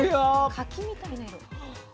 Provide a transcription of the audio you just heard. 柿みたいな色。